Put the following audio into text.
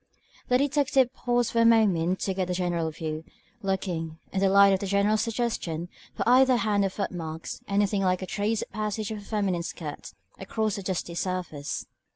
The detective paused for a moment to get a general view, looking, in the light of the General's suggestion, for either hand or foot marks, anything like a trace of the passage of a feminine skirt, across the dusty surface.